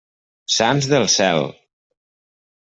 Sants del cel!